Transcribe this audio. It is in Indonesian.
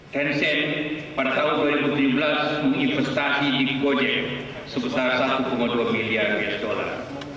tenset pada tahun dua ribu tujuh belas menginvestasi di gojek sebesar satu dua miliar usd